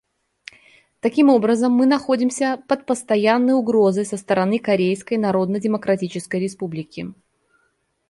Таким образом, мы находимся под постоянной угрозой со стороны Корейской Народно-Демократической Республики.